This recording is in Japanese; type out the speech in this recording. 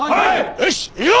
よし行くぞ！